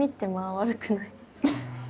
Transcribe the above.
悪くない？